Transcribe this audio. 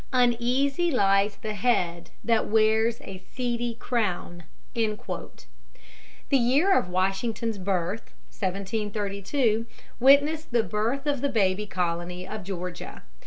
"Uneasy lies the head that wears a seedy crown." (See Appendix.) The year of Washington's birth, viz., 1732, witnessed the birth of the baby colony of Georgia.